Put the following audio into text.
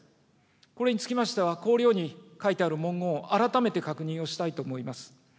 これにつきましては、綱領に書いてある文言を改めて確認をしたいと思います。